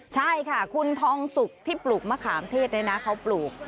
ใช่ค่ะคุณทองสุกที่ปลูกมะขามเทศเนี่ยนะเขาปลูก